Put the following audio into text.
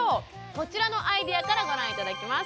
こちらのアイデアからご覧頂きます。